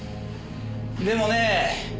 でもねえ